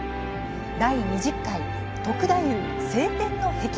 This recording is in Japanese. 第２０回「篤太夫、青天の霹靂」